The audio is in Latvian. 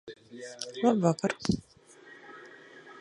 Esam tālu ielenkti, ar draudiem, ka varam nokļūt maisā.